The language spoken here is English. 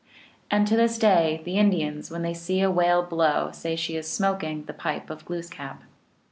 And to this day the Indians, when they see a whale blow, say she is smoking the pipe of Glooskap.